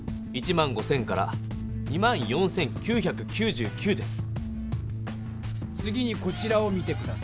１９５００から２０４９９です。